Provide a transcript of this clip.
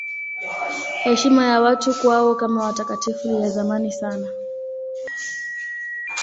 Heshima ya watu kwao kama watakatifu ni ya zamani sana.